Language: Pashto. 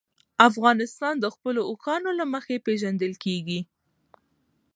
افغانستان د خپلو اوښانو له مخې پېژندل کېږي.